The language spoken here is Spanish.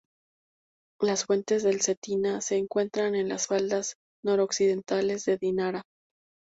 Las fuentes del Cetina se encuentran en las faldas noroccidentales de Dinara.